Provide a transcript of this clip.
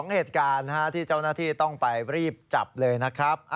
เหตุการณ์ที่เจ้าหน้าที่ต้องไปรีบจับเลยนะครับ